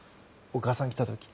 お母さんが来た時。